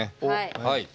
はい。